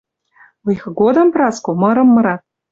Ойхы годым, Праско, мырым мырат.